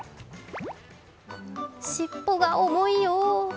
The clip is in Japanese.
しっぽが重いよ。